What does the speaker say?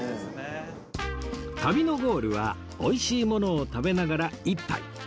旅のゴールはおいしいものを食べながら一杯